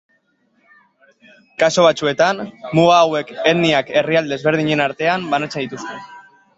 Kasu batzuetan, muga hauek etniak herrialde ezberdinen artean banatzen dituzte.